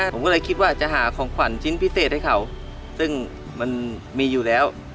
ผมก็เลยคิดว่าจะหาของขวัญชิ้นพิเศษให้เขาซึ่งมันมีอยู่แล้ว